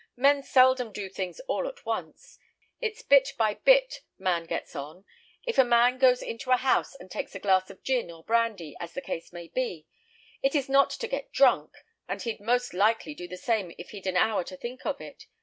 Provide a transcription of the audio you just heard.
"Men seldom do things all at once. It's bit by bit a man gets on. If a man goes into a house and takes a glass of gin or brandy, as the case may be, it is not to get drunk, and he'd most likely do the same if he'd an hour to think of it.